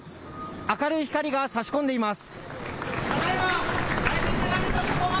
明るい光がさし込んでいます。